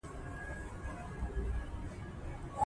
افغانستان په خپل طبیعي لمریز ځواک باندې پوره او مستقیمه تکیه لري.